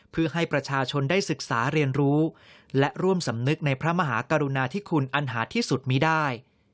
เพื่อให้ประชาชนได้ศึกษาเรียนรู้และร่วมสำนึกในพระมหากรุณาธิคุณอันหาที่สุดมีได้